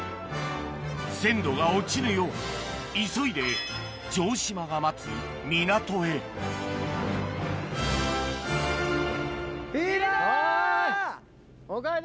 鮮度が落ちぬよう急いで城島が待つ港へおかえり